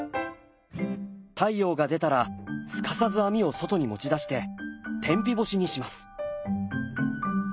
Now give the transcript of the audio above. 太陽が出たらすかさず網を外に持ち出して天日干しにします。